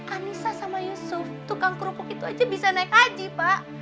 anissa sama yusuf tukang kerupuk itu aja bisa naik haji pak